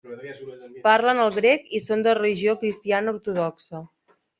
Parlen el grec i són de religió cristiana ortodoxa.